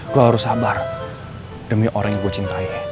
gue harus sabar demi orang yang gue cintai